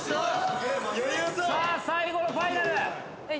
さあ最後のファイナル！